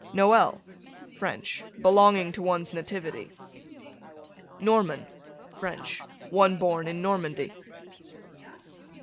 Noel, French, belonging to one's nativity. Norman, French, one born in Normandy.